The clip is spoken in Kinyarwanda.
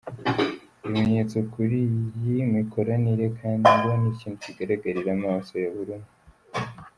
Ibimenyetso kuri iyi mikoranire kandi ngo ni ikintu kigaragarira amaso ya buri umwe.